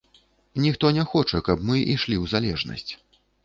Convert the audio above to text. Ніхто не хоча, каб мы ішлі ў залежнасць.